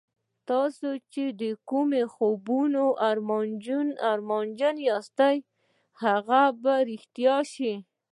تاسې چې د کومو خوبونو ارمانجن یاست هغه به رښتیا شي